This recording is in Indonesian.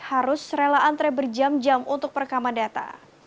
harus rela antre berjam jam untuk perekaman data